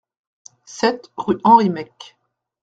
sept rue Henri Meck